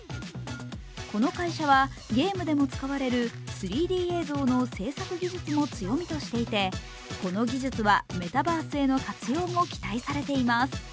この会社はゲームでも使われる３Ｄ映像の制作技術も強みとしていてこの技術はメタバースへの活用も期待されています。